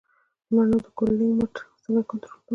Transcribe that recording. د مڼو د کوډلینګ مټ څنګه کنټرول کړم؟